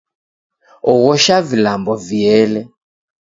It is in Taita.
Oghosha vilambo viele